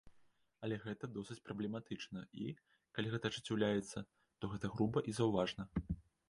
Але гэта досыць праблематычна і, калі гэта ажыццяўляецца, то гэта груба і заўважна.